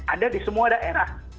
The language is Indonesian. ada di semua daerah